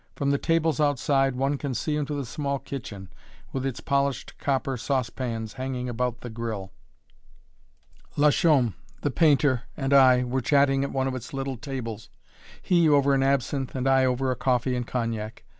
From the tables outside, one can see into the small kitchen, with its polished copper sauce pans hanging about the grill. Lachaume, the painter, and I were chatting at one of its little tables, he over an absinthe and I over a coffee and cognac.